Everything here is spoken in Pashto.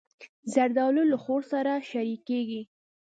زردالو له خور سره شریکېږي.